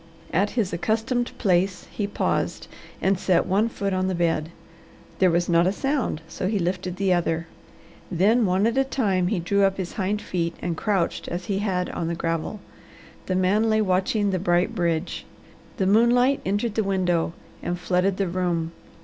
At his accustomed place he paused and set one foot on the bed. There was not a sound, so he lifted the other. Then one at a time he drew up his hind feet and crouched as he had on the gravel. The man lay watching the bright bridge. The moonlight entered the window and flooded the room.